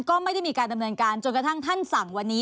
ก็ไม่ได้มีการดำเนินการจนกระทั่งท่านสั่งวันนี้